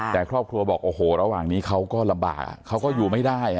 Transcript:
แต่ครอบครัวบอกโอ้โหระหว่างนี้เขาก็ลำบากเขาก็อยู่ไม่ได้